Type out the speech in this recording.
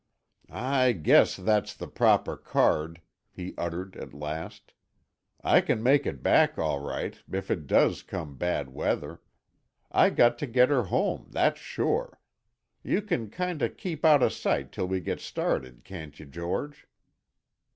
"I guess that's the proper card," he uttered at last. "I can make it back, all right, if it does come bad weather. I got to get her home, that's sure. You can kinda keep out of sight till we get started, can't you, George?"